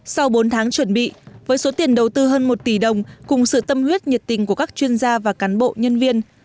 sau bốn tháng chuẩn bị với số tiền đầu tư hơn một tỷ đồng cùng sự tâm huyết nhiệt tình của các chuyên gia và cán bộ nhân viên